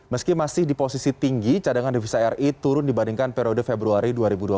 meski masih di posisi tinggi cadangan devisa ri turun dibandingkan periode februari dua ribu dua puluh